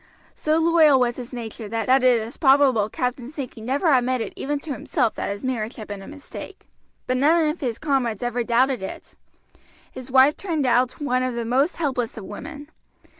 So loyal was his nature that it is probable Captain Sankey never admitted even to himself that his marriage had been a mistake; but none of his comrades ever doubted it. His wife turned out one of the most helpless of women.